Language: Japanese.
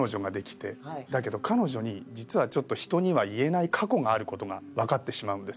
だけど彼女に実はちょっと人には言えない過去がある事がわかってしまうんですね。